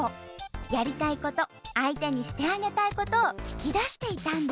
やりたい事相手にしてあげたい事を聞き出していたんです。